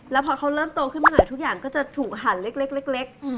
แล้วพอเขาเริ่มโตขึ้นมาหน่อยทุกอย่างก็จะถูกหั่นเล็ก